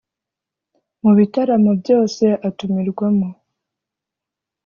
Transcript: Mu bitaramo byose atumirwamo